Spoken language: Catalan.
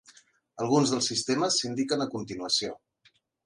Alguns dels sistemes s'indiquen a continuació.